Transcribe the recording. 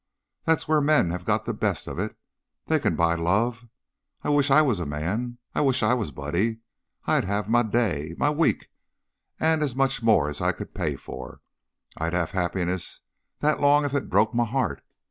That's where men have got the best of it; they can buy love. I wish I was a man; I wish I was Buddy! I'd have my day, my week and as much more as I could pay for. I'd have happiness that long if it broke my heart.